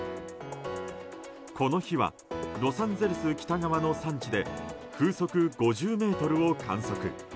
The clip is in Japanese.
この日はロサンゼルス北側の山地で風速５０メートルを観測。